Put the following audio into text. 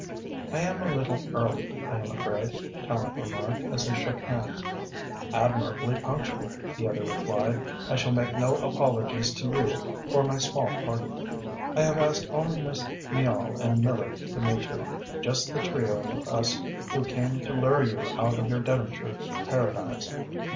"I am a little early, I am afraid," Tallente remarked, as they shook hands. "Admirably punctual," the other replied. "I shall make no apologies to you for my small party. I have asked only Miss Miall and Miller to meet you just the trio of us who came to lure you out of your Devonshire paradise."